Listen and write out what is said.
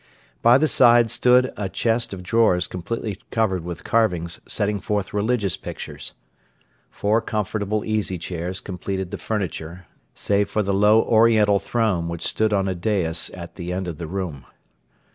By the side stood a chest of drawers completely covered with carvings setting forth religious pictures. Four comfortable easy chairs completed the furniture, save for the low oriental throne which stood on a dais at the end of the room.